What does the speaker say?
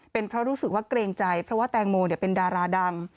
เป็นเพราะรู้สึกว่าเกรงใจเพราะว่าแตงโมเป็นดาราดัง